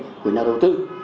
người nhà đầu tư